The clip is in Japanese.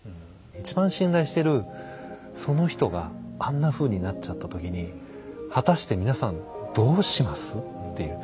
一番信頼してるその人があんなふうになっちゃった時に果たして皆さんどうします？っていう。